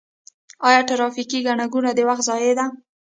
آیا ټرافیکي ګڼه ګوڼه د وخت ضایع ده؟